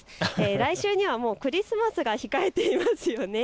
来週にはクリスマスが控えていますよね。